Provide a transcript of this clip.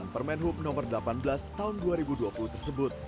permen hub nomor delapan belas tahun dua ribu dua puluh tersebut